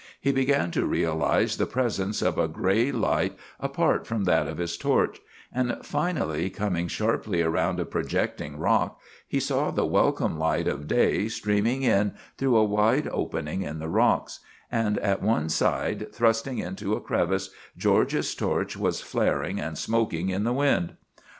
He began to realize the presence of a gray light apart from that of his torch; and finally coming sharply around a projecting rock, he saw the welcome light of day streaming in through a wide opening in the rocks, and at one side, thrust into a crevice, George's torch was flaring and smoking in the wind.